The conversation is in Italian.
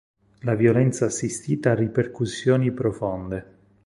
La violenza assistita ha ripercussioni profonde.